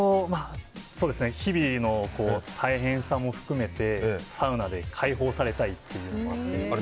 日々の大変さも含めてサウナで解放されたいというのもあって。